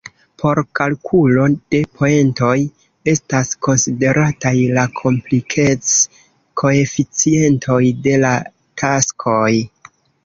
Por kalkulo de poentoj estas konsiderataj la komplikec-koeficientoj de la taskoj.